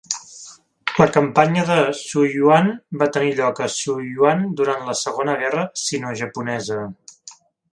La Campanya de Suiyuan va tenir lloc a Suiyuan durant la Segona Guerra sinojaponesa.